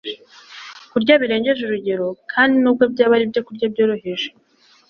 kurya birengeje urugero kandi, nubwo byaba ari ibyokurya byoroheje